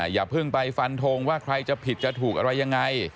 อย่าเพิ่งไปฟันทงว่าใครจะผิดจะถูกอะไรยังไง